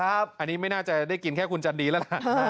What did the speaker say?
อันนี้ไม่น่าจะได้กินแค่คุณจันดีแล้วล่ะ